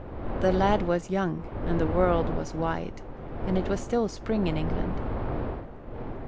The lad was young, and the world was wide, and it was still spring in England.